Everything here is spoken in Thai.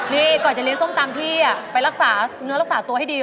นี่ก่อนจะเลี้ยงส้มตำพี่ไปรักษาตัวให้ดี